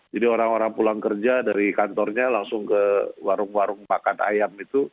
jadi orang orang pulang kerja dari kantornya langsung ke warung warung makan ayam itu